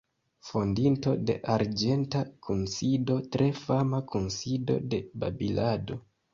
Fondinto de „Arĝenta Kunsido";, tre fama kunsido de babilado.